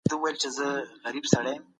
افغانستان د سیمې د پرمختګ مخالفت نه کوي.